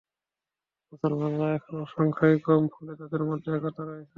মুসলমানরা এখনও সংখ্যায় কম, ফলে তাদের মধ্যে একতা রয়েছে।